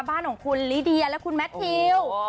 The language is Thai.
บ้านของคุณลิเดียและคุณแมททิว